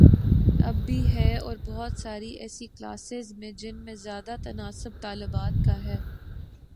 اب بھی ہے اور بہت ساری ایسی کلاسز ہیں جن میں زیادہ تناسب طالبات کا ہے۔